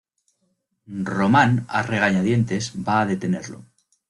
Román, a regañadientes, va a detenerlo.